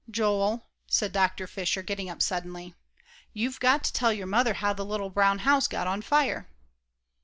"Joel," said Dr. Fisher, getting up suddenly, "you've got to tell your mother how the little brown house got on fire."